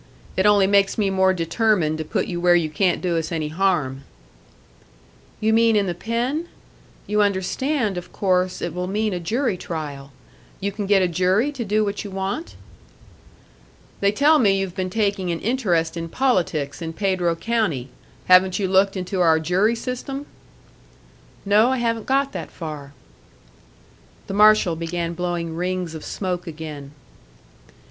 It only makes me more determined to put you where you can't do us any harm." "You mean in the pen? You understand, of course, it will mean a jury trial. You can get a jury to do what you want?" "They tell me you've been taking an interest in politics in Pedro County. Haven't you looked into our jury system?" "No, I haven't got that far." The marshal began blowing rings of smoke again.